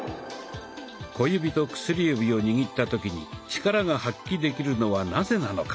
小指と薬指を握った時にチカラが発揮できるのはなぜなのか？